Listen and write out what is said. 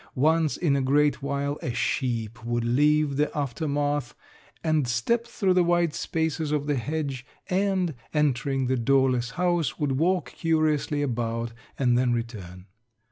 Once in a great while a sheep would leave the aftermath and step through the wide spaces of the hedge and, entering the doorless house, would walk curiously about and then return.